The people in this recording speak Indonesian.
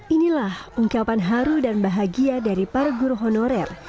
inilah ungkapan haru dan bahagia dari para guru honorer